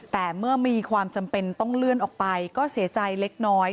แต่เมื่อมีความจำเป็นต้องเลื่อนออกไปก็เสียใจเล็กน้อย